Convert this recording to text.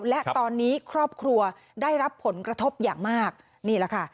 และตอนนี้ครอบครัวได้รับผลกระทบอย่างมากนี่แหละค่ะ